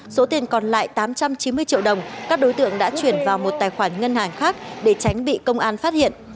số tiền còn lại tám trăm chín mươi triệu đồng các đối tượng đã chuyển vào một tài khoản ngân hàng khác để tránh bị công an phát hiện